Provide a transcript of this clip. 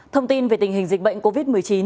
thông tin về tình hình dịch bệnh covid một mươi chín